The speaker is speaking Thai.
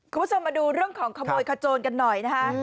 คุณผู้ชมมาดูเรื่องของขโมยขโจนกันหน่อยนะคะ